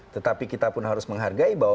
tetapi kita pun harus menghargai bahwa